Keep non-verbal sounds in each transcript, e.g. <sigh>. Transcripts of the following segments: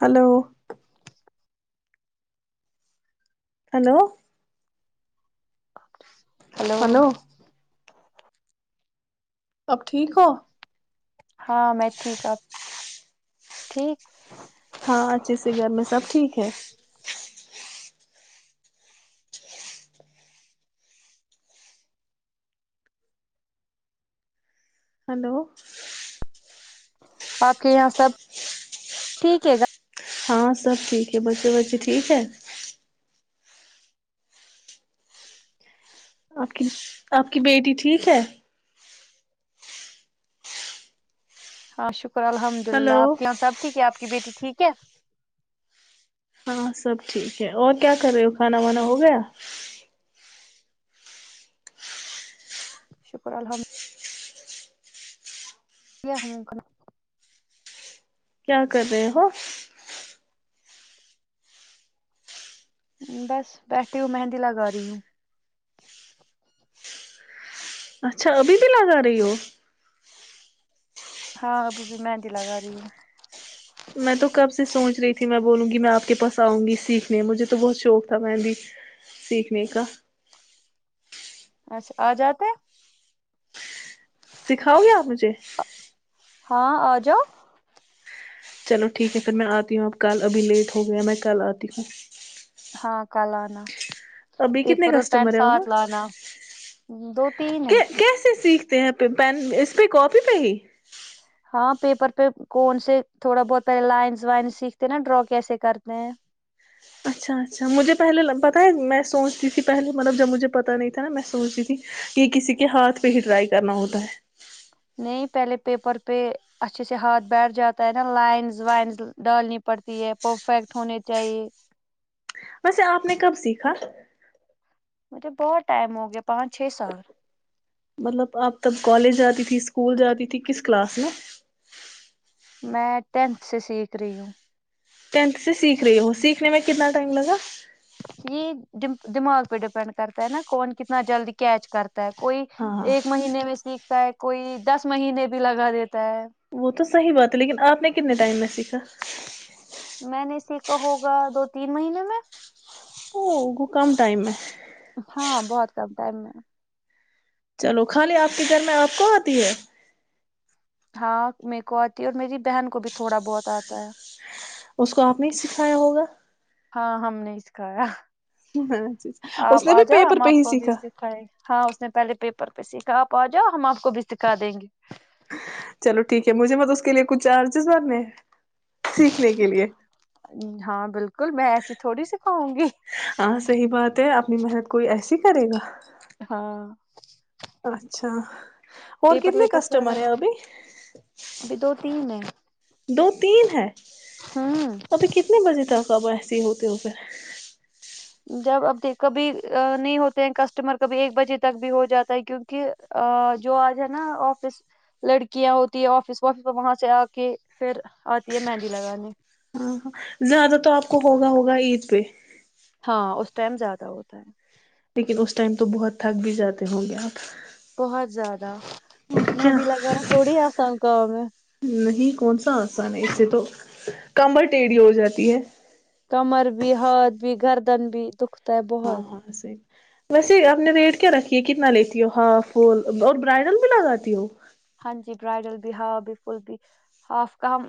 hello hello hello اب ٹھیک ہو ہاں میں ٹھیک ہ ٹھیک ہاں اچھے سے گھر میں سب ٹھیک ہے ہلو آپ کے یہاں سب ٹھیک ہے گا ہاں سب ٹھیک ہے بچے بچے ٹھیک ہے آپ کی آپ کی بیٹی ٹھیک ہے ہاں شکرہ شکر الحمد ہلو اللہ آپ یہاںبھی کہ آپ کی بیٹی ٹھیک ہے ہاں سب ٹھیک ہے اور کیا کر رہے ہو کھانا وانا ہو گیا شکر الحمد کیایا ہممکن کیا کر رہے ہو بس بیٹھھی ہوں مہندی لگا رہی ہوں اچھا ابھی بھی لگا رہی ہو ہاں ابھی ابھی مہندی لگا رہی ہے میں تو کب سے سوچ رہی تھی میں بولوں گی میں آپ کے پاس آؤں گی سیکھنے مجھے تو بہت شوق تھا میں بھی سیکھنے کا اچھا آ جاتے سکھاؤ گے آپ مجھے ہاں آ جاؤ چلو ٹھیک ہے پھر میں آتی ہوں اب کل ابھی لیٹ ہو گیا میں کل آتی ہوں ہاں کال آناا ابھی کتنے کسٹمر ہیں وہاں دو تین ہے کیسے سیکھتے ہیں آ پین اس پہ کاپی پہ ہی ہاں پیپر پہ کون سے تھوڑا بہت پہلے لائنس وائن سیکھتے نا ڈرا کیسے کرتے ہیں اچھا اچھا مجھے پہلے پتہ ہے میں سوچتی تھی پہلے مطلب جب مجھے پتاہ نہیں تھا نا میں سوچتی تھی کہ کسی کے ہاتھ پہ ہی ٹرائی کرنا ہوتا ہے نہیں پہلے پیپر پہ اچھے سے ہاتھ بیٹھ جاتا ہے نا لائنز وائنز ڈالنی پڑتی ہے پرفیکٹ ہونی چاہیے ویسے آپ نے کب سیکھا مجھے بہت ٹائم ہو گیا پانچ چھ سال مطلب اپ تب کالج جاتی تھی اسکول جاتی تھی کس کلاس میں میں ٹینتھ سے سیکھ رہی ہوں ٹین سے سیکھ رہے ہو سیکھنے میں کتنا ٹائم لگا یہ دماغ پہ ڈیپینڈ کرتا ہے نا کون کتنا جلدی کیچ کرتا کوئی ہاں ہاں ایک مہینے میں س ہوتا ہے کوئی دس مہینے بھی لگا دیتا ہے وہ تو صحیح بات ہے لیکن آپ نے کتنے ٹائم میں سیکھا میں نے سیک کہا ہوگا دو تین مہینے میں اگو کم ٹائم ہے م <inaudible> چلو خالی آپ کے گھر میں آپ کو آتی ہے ہاں میرے کو آتی ہے اور میری بہن کو بھی تھوڑا بہت آتا ہے اس کو آپ نے سکھایا ہوگا ہاں ہم نے سکھایا اچا اچھا اس آپ نے آ بھی جاؤ پیپر ہم پہ آپ ہی کو بھی سیکھا سکھائیں گے ہاں اس نے پہلے پیپر پہ سیکھا آپ آ جاؤ ہم آپ کو بھی سکھا دیں گے چلو ٹھیک ہے مجھے مت اس کے لیے کچھ چارجز بنے سیکھنے کے لیے ہاں بالکل میں ایسی تھوڑی سکھاؤں گی ہاں صحیح بات ہے اپنی محنت کوئی ایسی کرے گا ہاں اچھا اور پیپر کتنے ویپر سارا کسٹمر ہیں ابھی ابھی دو تین ہے دو تین ہے ہوں ابھی کتنے بجے تک سب ایسے ہی ہوتے ہو گھر جب ابیک کبھی نہیں ہوتے ہیں کسٹمر کبھی ایک بجے تک بھی ہو جاتا ہے کیونک جو آج ہے نا آفس لڑکیاں ہوتی ہے آفس وفس وہاں سے آ کے پھر آتی ہے مہندی لگانے ہاں ہاں زیادہ تو آپ کو ہوگا <inaudible> ہاں اس ٹائم زیادہ ہوتا ہے لیکن اس ٹائم تو بہت تھک بھی جاتے ہوں گے آپ بہت زیادہ اور کیا مہندی لگانا تھوڑی آسان کام ہے نہیں کون سا آسان ہے اسے تو کمبر ٹیڑھی ہو جاتی ہے کمر بھی ہاتھ بھی گردن بھی دکھتا ہے بہت اں ویسے آپ نے ریٹ کیا رکھی ہے کتنا لیتی ہو ہاف فل اور برائڈل بھی لگاتی ہو ہاں جی برائڈل بھی ہا ب فل بھی ہاف کا ہم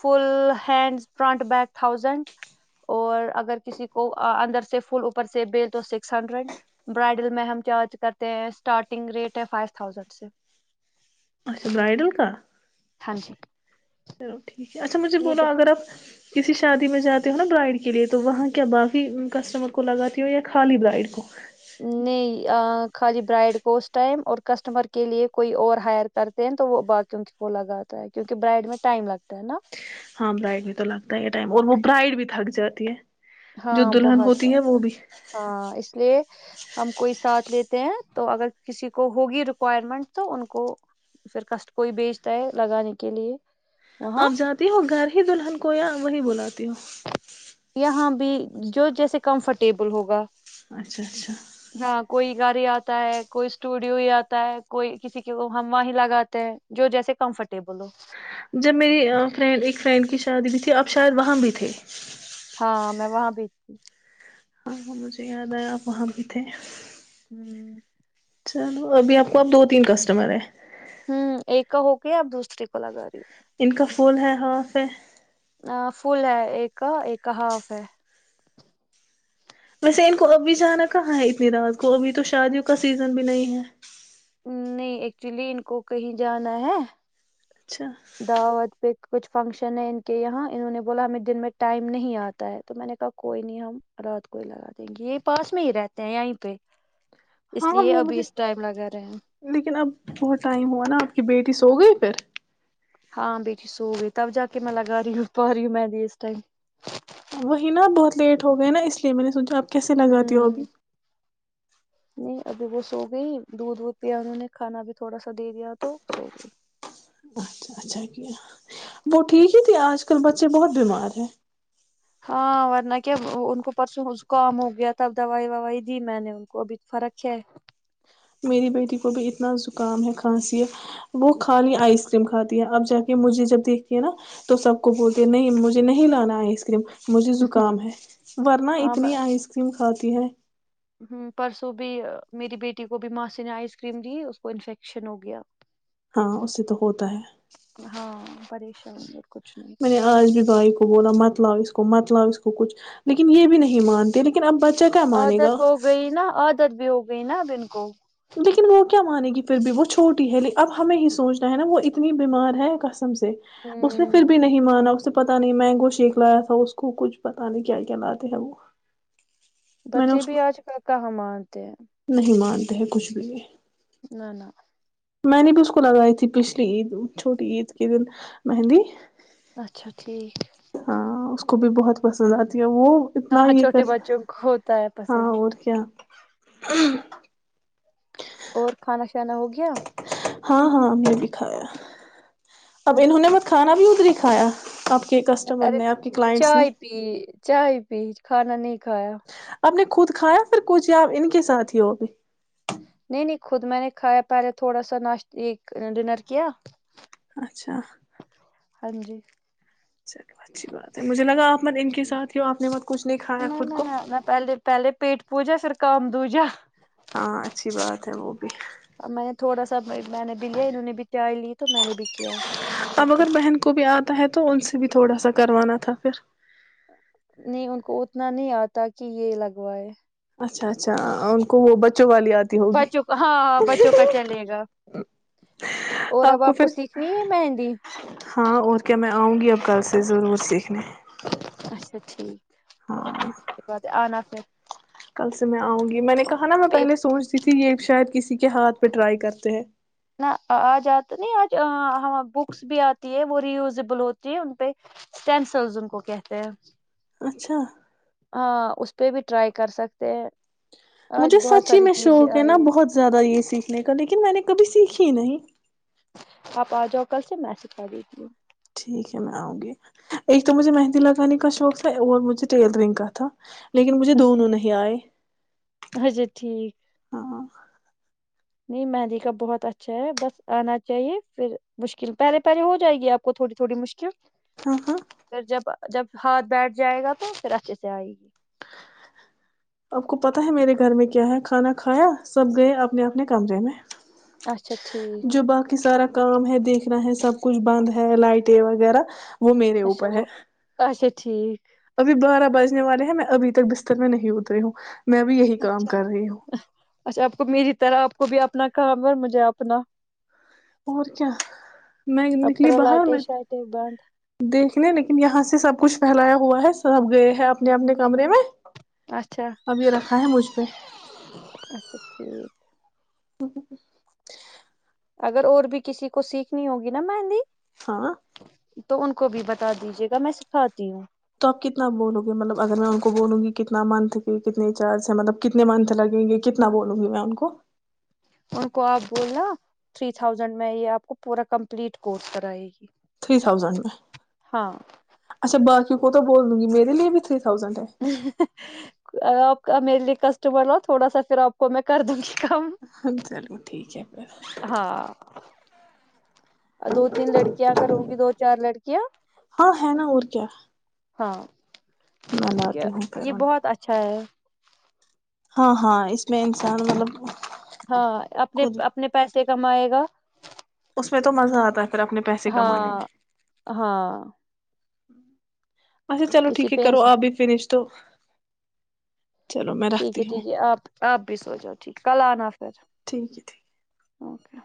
full hand front back thousand اور اگر کسی کو اندر سے فل اوپر سے بل تو سکس ہنڈریڈ برائڈل میں ہم چارج کرتے ہیں اسٹارٹنگ ریٹ ہے فائیو تھاؤزینڈ سے اچھا برائڈل کا ہاں جی چلو ٹھیک اچھا مجھے یہ بولونا اگر آپ کسی شادی میں جاتے ہو نا برائڈ کے لیے تو وہاں کیا باقی کسٹمر کو لگاتی ہو یا خالی برائڈ کو نہیں خالی برائڈ کو اس ٹائم اور کسٹمر کے لیے کوئی اور ہائر کرتے ہیں تو وہ باقیوں کو لگاتا ہے کیونکہ برائڈ میں ٹائم لگتا ہے نا ہاں برائٹ بھی تو لگتا ہے یہ ٹائم اور وہ برائڈ بھی تھک جاتی ہے جو ہاں دلہن بہت ہوتی ہے وہ زیادہ بھی ہاں اس لیے ہم کوئی ساتھ لیتے ہیں تو اگر کسی کو ہوگی ریکوائرمنٹ تو ان کو پھر کسٹ کوئی بیچتا ہے لگانے کے لیے وہاں آپ جاتی ہو گھر ہی دلہن کو یا وہی بلااتی ہو یہاں بھی جو جیسے کمفرٹیبل ہوگا اچھا اچھا ہاں کوئی گار یار آتا ہے کوئی اسٹوڈیو ہی آتا ہے کوئی کسی کے ہمو ہی لگاتے ہیں جو جیسے کمفرٹیبل ہو جب میری فرینڈ ایک فرینڈ کی شادی بھی تھی اب شاید وہاں بھی تھے ہاں میں وہاں بیچتی ہاں ہاں مجھے یاد آیا آپ وہاں بھی تھے <inaudible> چلو ابھی آپ کو اب دو تین کسٹمر ہیں ہوں ایک کا ہو کے آپ دوسرے کو لگا رہی ہو ان کا پول ہے ہاف ہے فل ہے ایک ایک ہاف ہے ویسے ان کو اب بھی جانا کہاں ہے اتنی رات کو ابھی تو شادیوں کا سیزن بھی نہیں ہے نہیں ایکچولی ان کو کہیں جانا ہے اچھا دعوت پہ کچھ فنکشن ہے ان کے یہاں انہوں نے بولا ہمیں دن میں ٹائم نہیں آتا ہے تو میں نے کہا کوئی نہیں ہم رات کوئی لگا دیں گے یہ پاس میں ہی رہتے ہیں یہیں پہ ہاں اس لیے وہ ابھی مجھے اس ٹائم لگا رہے ہیں لیکن اب بہت ٹائم ہوا نا آپ کی بیٹی ک سو گئی پھر ہاں بیٹھی سو گئی تب جا کے میں لگا رہی ہوں پا رہی ہوں میں بھی اس ٹائم وہی نا بہت لیٹ ہو گئے نا اس لیے میں نے سوچا آپ کیسے لگاتی ہو ہوں ابھی نہیں ابھی وہ سو گئی دودھ وودھ پیا انہوں نے کھانا بھی تھوڑا سا دے دیا تو سو گئی اچھا اچھا کیا وہ ٹھیک ہی تھی آج کل بچے بہت بیمار ہے ہاں ورنہ کیا ان کو پرسوں زکام ہو گیا تھا اب دوائی وائی دی میں نے ان کو ابھی فرق ہے میری بیٹی کو بھی اتنا زکام ہے کھانسی ہے وہ کھالی آئس کریم کھاتی ہے اب جا کے مجھے جب دیکھتی ہے نا تو سب کو بولتی ہے نہیں مجھے نہیں لانا آئس کریم مجھے زکام ہے ورنہ اتنی آئس کریم کھاتی ہے ہ پرسوں بھی میری بیٹی کو بھی ماں سے نے آئس کریم دی اس کو انفیکشن ہو گیا ہاں اس سے تو ہوتا ہے پریشانی م آج بھی بائی بولا مت لؤ اس کو مت لؤ اس کو کچھ لیکن یہ بھی نہیں مانتے لیکن اب بچے عادت ہو گئی نا عادت بھی ہوگی بین ابن کو لیکن وہ کیا مانے گی پھر بھی وہ چھوٹی ہے ل اب ہمیں ہی سوچنا ہے نا وہ اتنی بیمار ہے کس سے اس نے پھر ہوں بھی نہیں مانا اس سے پتا نہیں مینگو شیک لایا تھا اس کو کچھ پتا نہیں کیا کیا لاتے ہیں وہ میں نے بچے اس بھی کو آج ک کااں مانتے ہیں نہیں مانتے ہیں کچھ بھی <inaudible> میں نے بالکل لگائی تھی پچھلی عید چھوٹی عید کے دن مہندی اچھا ٹھیک ہاں اس کو بھی بہت پسند آتی وہ اتنا ہاں یہ چھوٹے کر بچوں کو ہوتا ہے ہاں پسند اور کیا <inaudible> اور کھانا شانا ہو گیا ہاں ہاں بے بی کھایا اب اچھا انہوں نے ٹھیک مت کھانا بھی اتری کھایا آپ کے کسٹمر ارے نے آپ کے کلائنٹس نے چائے پی چائے پی کھانا نہیں کھایا آپ نے خود کھایا پھر کچھ یاپ ان کے ساتھ ہی ہو بھی نہیں نہیں خود میں نے کھایا پہلے تھوڑا سا ناش ڈنر کیا اچھا ہاں جی چلو اچھی بات ہے مجھے لگا آپ مت ان کے جی ساتھ ہی ہو آپ نے مت کچھ نہیں کھایا نہ خود نہ کو کم دووجہ ہاں اچھی بات ہے وہ بھی ا میں نے تھوڑا سا میں نے بھی لیا انہوں نے بھی تار لی تو میں نے بھی کیا جب اب تک اگر بہن کو بھی آتا ہے تو ان سے بھی تھوڑا سا کروانا تھا پھر نہیں ان کو اتنا نہیں آتا کہ یہ لگوائے اچھا اچھا ان کو وہ بچ چ والی آتی ہوگی بچوں کا ہاں بچوں کا چلے گا اور آپ اب کو پھر سیکھنی ہے مہندی ہاں اور کیا میں آؤں گی اب کل سے ضرور سیکھنے اچھا ہاں ٹھیک آ اھ <inaudible> کل سے میں آؤں گی میں نے کہا نا میں پہلے سوچتی تھی یہ شاید کسی کے ہاتھ پہ ٹرائی کر <inaudible> نہ آج آتا نہیں آج بکس بھی آتی ہے وہ ریوزبل ہوتی ہے ان پہ اسٹینسل ان کو کہتے ہیں اچھا ہاں اس پہ بھی ٹرائی کر سکتے ہیں آج مجھے بہت سچ ہی ساری میں چیزیں شوق ہے نا آئی بہت زیادہ یہ سیکھنے کا لیکن میں نے کبھی سیکھی ج نہیں آپ آ جاؤ کل سے مسج دیجیے ٹھیک ہے میں آؤں گی ایک تو مجھے مہندی لگانے کا شوق تھا اور مجھے ٹیلرنگ کا تھا لیکن مجھے دونوں اچھا نہیں آئے اچھا ٹھیک ہاں نہیں مہندی کا بہت اچھا ہے بس آنا چاہیے پھر مشکل پہلے پہلے ہو جائے گی آپ کو تھوڑی تھوڑی مشکل ہاں ہاں تو جب جب ہاتھ بیٹھ جائے گا تو پھر اچھے سے آئے گی آپ کو پتا ہے میرے گھر میں کیا ہے کھانا کھایا سب گئے اپنے اپنے کمرے میں اچھا ٹھیک جو باقی سارا کام ہے دیکھنا ہے سب کچھ بند ہے لائٹیں وغیرہ وہ میرے اچھا اوپر ہے وہ اچھا ٹھیک ابھی بارہ بجنے والے ہیں میں ابھی تک بستر میں نہیں اتری ہوں میں ابھی یہی کام اچھا کر رہی ہوں اچھا آپ کو میری طرح آ کو بھی اپنا کام ہے مجھے اپنا اور کیا میں آپ نکلی کرو باہر لائٹیں میں شائٹیں بند دیکھنے لیکن یہاں سے سب کچھ پھیلایا ہوا ہے سب گئے ہیں اپنے اپنے کمرے میں اب یہ رکھا ہے مجھ پہ اچھاچ ٹھیک ہ <unintelligible> اگر اور بھی کسی کو سیکھنی ہوگی نا مہندی ہاں تو ان کو بھی بتا دیجیے گا میں سکھاتی ہوں تو آپ کتنا بولو گے مطلب اگر میں ان کو بولوں گی کتنا منتھ کی کتنے چارج ہیں مطلب کتنے منتھ لگیں گے کتنا بولوں گی میں ان کو ان کو آپ بولنا تھری تھاؤزینڈ میں یہ آپ کو پورا کمپلیٹ کورس کرائے گی تھری تھاؤزنڈ میں ہاں اچھا باقی کو تو بول دوں گ میرے لی بھی تھ میرے لیے ک تو بڑ لو تھوڑا سا پھر آپ کو میں کر دوں گی کم ہ چلو ٹھیک ہے پھر اور دو تین لڑکیاں اگر ہو گی دو چار لڑکیاں ہاں ہے نا اور کیا ہاں میں ٹ ہے لاتی ہوں پھر یہ ان کو بہت اچھا ہے ہاں ہاں اس میں انسان مطلب ہاں اپنے خود اپنے پیسے کمئے گا اس میں تو مزہ آتا ہے پھر اپنے پیسے کمانے میں ہاں ہاں اچھا چو ٹھیک کسی ہے کر پین آ سے بھی فش تو چلو میں ٹھیک ہے رکھتی ہوں ٹھیک ہے آپ آپ بھی سو جو ٹھیک کل آنا پھر ٹھیک ہے ٹھیک اوکے